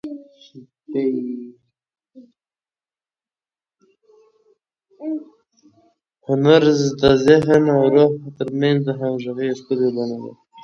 هنر د ذهن، زړه او روح تر منځ د همغږۍ یوه ښکلي بڼه ده.